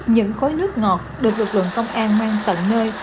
những khối nước ngọt được lực lượng công an mang tận nơi